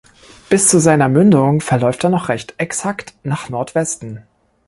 Bis zu seiner Mündung verläuft er nur noch recht exakt nach Nordwesten.